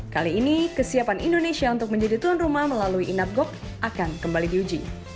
kali ini kesiapan indonesia untuk menjadi tuan rumah melalui inapgok akan kembali diuji